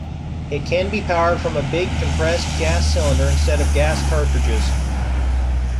It can be powered from a big compressed gas cylinder instead of gas cartridges.